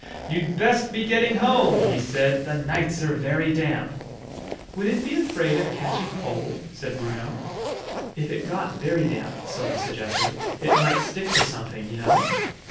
'You'd best be getting home,' he said: 'The nights are very damp!'" {Image...He thought he saw an albatross} "Would it be afraid of catching cold?" said Bruno. "If it got very damp," Sylvie suggested, "it might stick to something, you know."